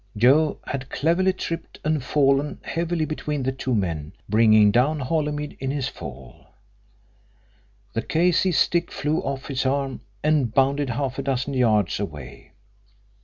Joe had cleverly tripped and fallen heavily between the two men, bringing down Holymead in his fall. The K.C.'s stick flew off his arm and bounded half a dozen yards away.